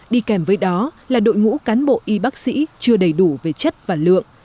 đi kèm với đó là đội ngũ cán bộ y bác sĩ chưa đầy đủ về chất và lượng